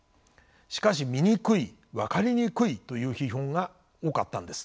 しかし見にくい分かりにくいという批判が多かったのです。